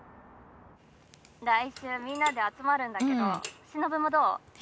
☎来週みんなで集まるんだけど忍もどう？